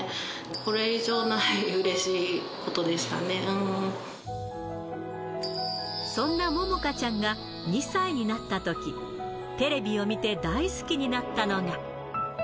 これ以上ないうれしいことでしたそんなももかちゃんが２歳になったとき、テレビを見て大好きになったのが。